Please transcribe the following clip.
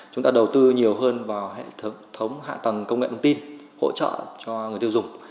chúng ta đầu tư nhiều hơn vào hệ thống hạ tầng công nghệ thông tin hỗ trợ cho người tiêu dùng